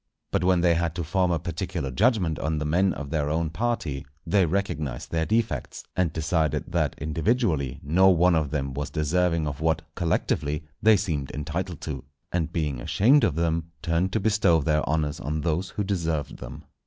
But when they had to form a particular judgment on the men of their own party, they recognized their defects, and decided that individually no one of them was deserving of what, collectively, they seemed entitled to; and being ashamed of them, turned to bestow their honours on those who deserved them.